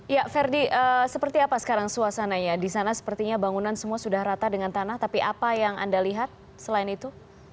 ya verdi seperti apa sekarang suasananya di sana sepertinya bangunan semua sudah rata dengan tanah tapi apa yang anda lihat selain itu